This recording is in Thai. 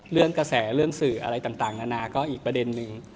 เรื่องกระแสเรื่องสื่ออะไรต่างนานาก็อีกประเด็นนึง